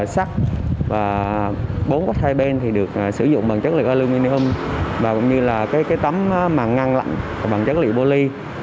sắc và bốn quạt hai bên thì được sử dụng bằng chất liệu aluminum và cũng như là cái tấm màng ngăn lạnh bằng chất liệu poly